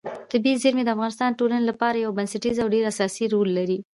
طبیعي زیرمې د افغانستان د ټولنې لپاره یو بنسټیز او ډېر اساسي رول لري.